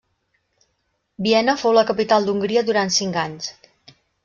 Viena fou la capital d'Hongria durant cinc anys.